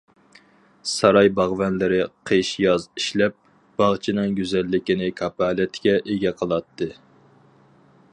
ساراي باغۋەنلىرى قىش- ياز ئىشلەپ، باغچىنىڭ گۈزەللىكىنى كاپالەتكە ئىگە قىلاتتى.